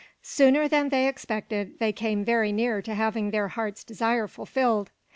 Sooner than they expected they came very near to having their heart's desire fulfilled.